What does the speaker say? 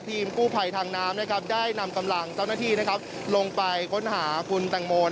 ทีมกู้ภัยทางน้ำได้นำกำลังเจ้าหน้าที่ลงไปค้นหาคุณแตงโม